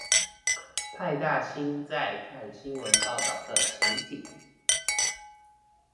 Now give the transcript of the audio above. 派大星在看新聞報導的情景